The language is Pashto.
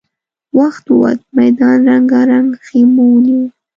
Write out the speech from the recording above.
وخت ووت، ميدان رنګارنګ خيمو ونيو.